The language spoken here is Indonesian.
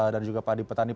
dan juga padi petani